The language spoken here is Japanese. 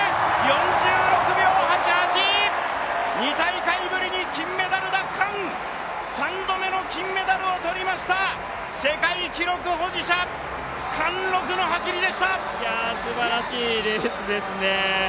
４６秒８８、２大会ぶりに金メダル奪還、３度目の金メダルを取りました、世界記録保持者、すばらしいレースですね。